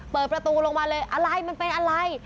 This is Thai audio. เปิดประตูลงมาเลยอะไรมันเป็นอะไร